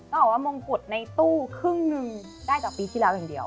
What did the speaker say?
ต้องบอกว่ามงกุฎในตู้ครึ่งหนึ่งได้จากปีที่แล้วอย่างเดียว